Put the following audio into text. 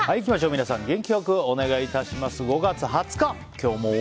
皆さん、元気良くお願い致します。